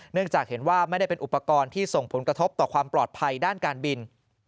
เนื่องจากเห็นว่าไม่ได้เป็นอุปกรณ์ที่ส่งผลกระทบต่อความปลอดภัยด้านการบิน